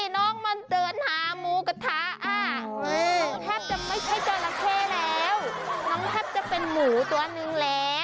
น้องแทบจะเป็นหมูตัวหนึ่งแล้ว